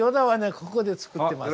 ここで作ってます。